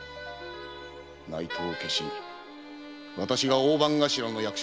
内藤を消しわたしが大番頭の役職に。